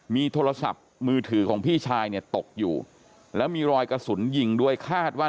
มีโทรศัพท์มือถือของพี่ชายเนี่ยตกอยู่แล้วมีรอยกระสุนยิงด้วยคาดว่า